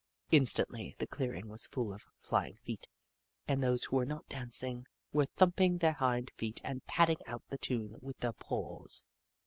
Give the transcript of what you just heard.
Instantly the clearing was full of flying feet, and those who were not dancing were thumping with their hind feet and patting out the tune with their paws.